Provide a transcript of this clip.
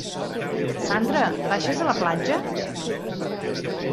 Sandra, baixes a la platja?